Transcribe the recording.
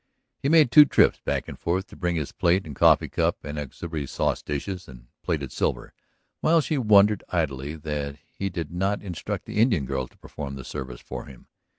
He made two trips back and forth to bring his plate and coffee cup and auxiliary sauce dishes and plated silver, while she wondered idly that he did not instruct the Indian girl to perform the service for him.